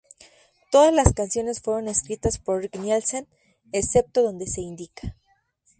Todas las canciones fueron escritas por Rick Nielsen, excepto donde se indica.